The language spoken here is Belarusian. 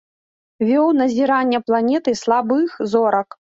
Вёў назірання планет і слабых зорак.